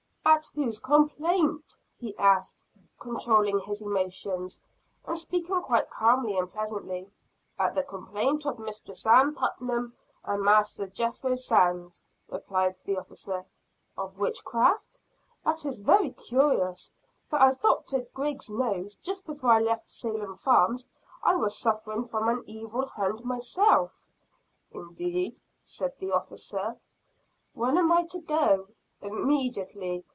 "At whose complaint?" he asked, controlling his emotions, and speaking quite calmly and pleasantly. "At the complaint of Mistress Ann Putnam and Master Jethro Sands," replied the officer. "Of witchcraft? That is very curious. For as Dr. Griggs knows, just before I left Salem Farms, I was suffering from 'an evil hand' myself." "Indeed!" said the officer. "When am I to go?" "Immediately.